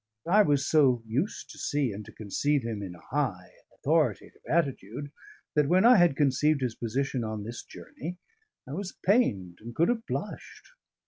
I was so used to see and to conceive him in a high, authoritative attitude, that when I had conceived his position on this journey, I was pained and could have blushed.